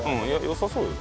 よさそうよ。